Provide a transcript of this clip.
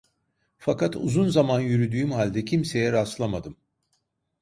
Fakat uzun zaman yürüdüğüm halde kimseye rastlamadım.